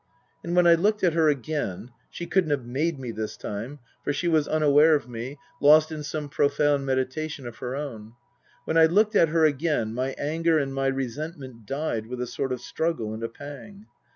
And when I looked at her again (she couldn't have made me this time, for she was unaware of me, lost in some pro found meditation of her own), when I looked at her again my anger and my resentment died with a sort of struggle and a pang.